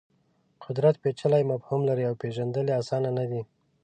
قدرت پېچلی مفهوم لري او پېژندل یې اسان نه دي.